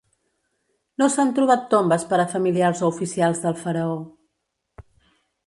No s'han trobat tombes per a familiars o oficials del faraó.